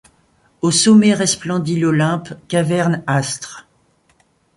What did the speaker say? Au sommet resplendit l’Olympe, caverne astre.